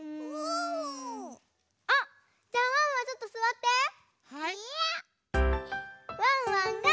うん！